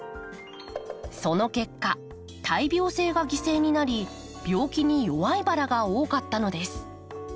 その結果耐病性が犠牲になり病気に弱いバラが多かったのです。